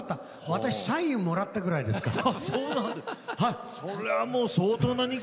私、サインもらったぐらいですから。